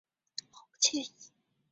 好不惬意